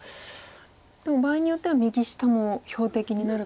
でも場合によっては右下も標的になる。